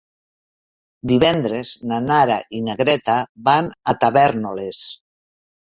Divendres na Nara i na Greta van a Tavèrnoles.